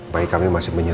bayi kami masih punya